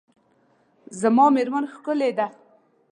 زما میرمن ډیره ښکلې ده .